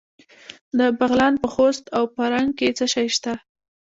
د بغلان په خوست او فرنګ کې څه شی شته؟